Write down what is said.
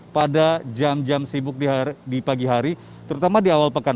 pada jam jam sibuk di pagi hari terutama di awal pekan